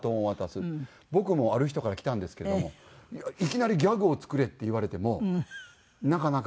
僕もある人からきたんですけれどもいきなり「ギャグを作れ」って言われてもなかなか。